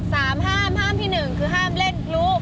ห้ามห้ามที่หนึ่งคือห้ามเล่นพลุ